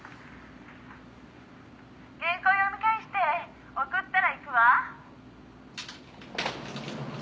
「原稿を読み返して送ったら行くわ」